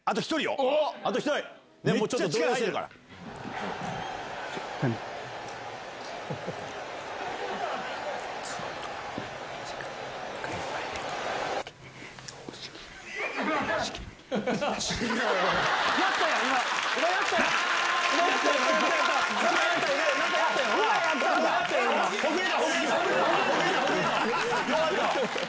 よかった！